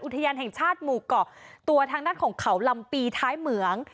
อุทยานแห่งชาติหมู่เกาะตัวทางด้านของเขาลำปีท้ายเหมือง